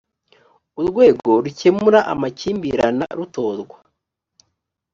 urwego rukemura amakimbirana rutorwa